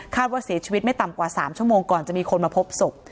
ว่าเสียชีวิตไม่ต่ำกว่า๓ชั่วโมงก่อนจะมีคนมาพบศพ